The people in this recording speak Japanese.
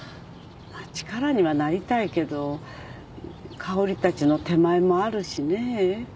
力にはなりたいけど香織たちの手前もあるしねぇ。